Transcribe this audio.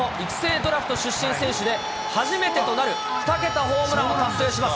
ドラフト出身選手で、初めてとなる２桁ホームランを達成します。